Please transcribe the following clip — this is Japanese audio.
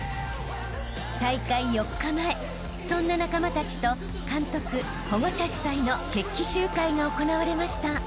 ［大会４日前そんな仲間たちと監督保護者主催の決起集会が行われました］